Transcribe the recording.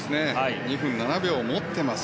２分７秒を持ってます。